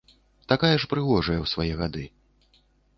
Такая ж прыгожая ў свае гады.